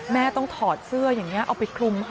แม่ต้องถอดเสื้ออย่างนี้เอาไปคลุม